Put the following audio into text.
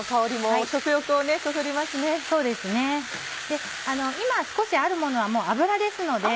で今少しあるものは油ですので。